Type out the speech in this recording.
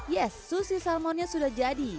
yes sushi salmonnya sudah jadi